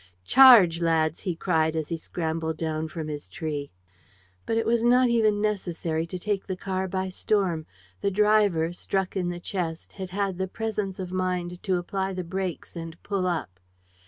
"Charge, lads!" he cried, as he scrambled down from his tree. But it was not even necessary to take the car by storm. The driver, struck in the chest, had had the presence of mind to apply the brakes and pull up.